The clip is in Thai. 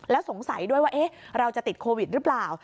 แล้วสงสัยด้วยว่าเราจะติดโควิดหรือเปล่า